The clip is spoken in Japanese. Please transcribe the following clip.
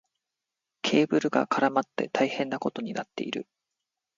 ケーブルが絡まって大変なことになっている。